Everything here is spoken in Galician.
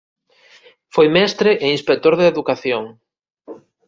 Foi mestre e inspector de Educación.